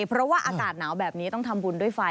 เพราะว่าอากาศหนาวแบบนี้ต้องทำบุญด้วยไฟ